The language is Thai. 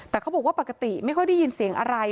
แต่เขาบอกว่าปกติไม่ค่อยได้ยินเสียงอะไร